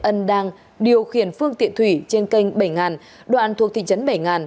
ân đang điều khiển phương tiện thủy trên kênh bảy đoạn thuộc thị trấn bảy